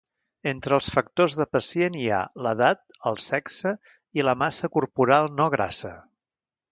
Entre els factors de pacient hi ha: l'edat, el sexe i la massa corporal no grassa.